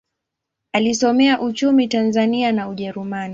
Alisomea uchumi Tanzania na Ujerumani.